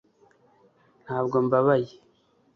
ntabwo mbabaye